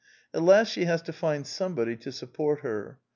At last she has to find somebody to support her.